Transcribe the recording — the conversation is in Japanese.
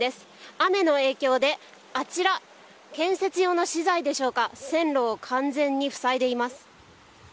雨の影響であちら、建設用の資材でしょうか線路を完全に塞いでいます。